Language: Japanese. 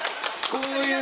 こういう。